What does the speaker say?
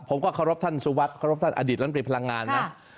ผมก็ขอรบท่านสุวัสดิ์ขอรับท่านอดีตร้านปริพลังงานนะ